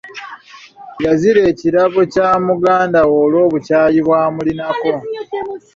Yazira ekirabo kya muganda we lw'obukyayi bw'amulinako.